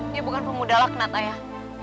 dia bukan pemuda laknat ayah